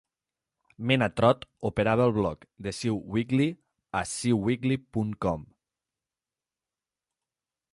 Mena Trott operava el blog "The Sew Weekly" a sewwekly.com.